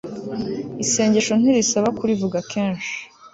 isengesho ntirisaba kurivuga kenshi